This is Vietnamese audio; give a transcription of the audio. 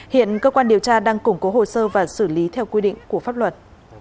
hiện cơ quan điều tra đang củng cố hồ sơ và xử lý theo quy định của pháp luật